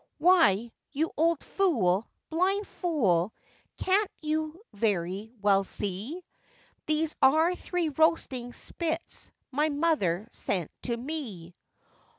'Why, you old fool! blind fool! can't you very well see, These are three roasting spits my mother sent to me?